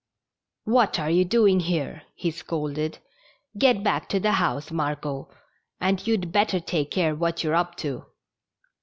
"What are you doing here? " he scolded. "Get back to the house, Margot, and you'd better take care what you're up to."